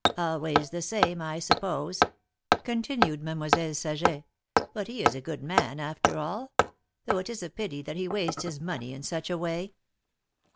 '^Always the same, I suppose," continued Mademoiselle Saget, '^but he is a good man after all! Though it is a pity that he wastes his money in such a way